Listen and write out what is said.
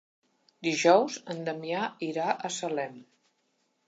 Dijous en Damià irà a Salem.